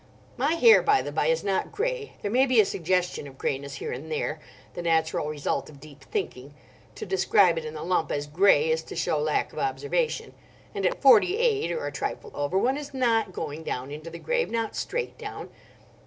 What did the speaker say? (My hair, by the bye, is not grey. There may be a suggestion of greyness here and there, the natural result of deep thinking. To describe it in the lump as grey is to show lack of observation. And at forty eight—or a trifle over—one is not going down into the grave, not straight down.